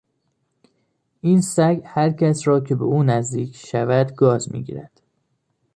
این سگ هر کس را که به او نزدیک شود گاز میگیرد.